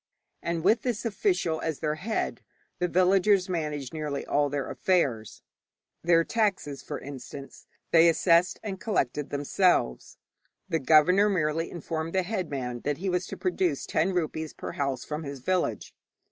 And with this official as their head, the villagers managed nearly all their affairs. Their taxes, for instance, they assessed and collected themselves. The governor merely informed the headman that he was to produce ten rupees per house from his village.